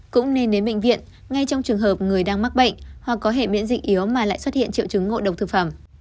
cũng nên đến bệnh viện ngay trong trường hợp người đang mắc bệnh hoặc có hệ miễn dịch yếu mà lại xuất hiện triệu chứng ngộ độc thực phẩm